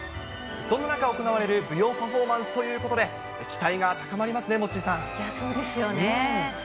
そんな中、行われる舞踊パフォーマンスということで、期待が高まそうですよね。